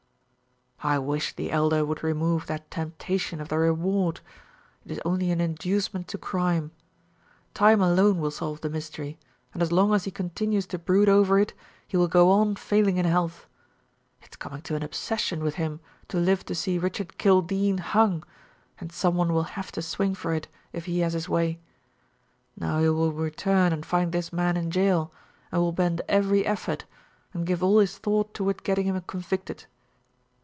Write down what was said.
"I wish the Elder would remove that temptation of the reward. It is only an inducement to crime. Time alone will solve the mystery, and as long as he continues to brood over it, he will go on failing in health. It's coming to an obsession with him to live to see Richard Kildene hung, and some one will have to swing for it if he has his way. Now he will return and find this man in jail, and will bend every effort, and give all his thought toward getting him convicted."